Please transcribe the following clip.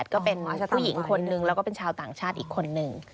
ก็เป็นผู้หญิงคนนึงแล้วก็เป็นชาวต่างชาติอีกคนนึง